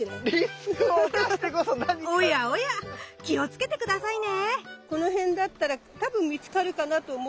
おやおや気をつけて下さいね。